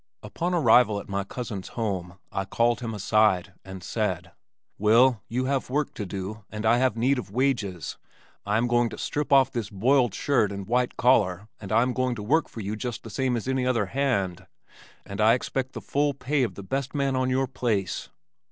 Upon arrival at my cousin's home I called him aside and said, "Will, you have work to do and I have need of wages, I am going to strip off this 'boiled shirt' and white collar, and I am going to work for you just the same as any other hand, and I shall expect the full pay of the best man on your place."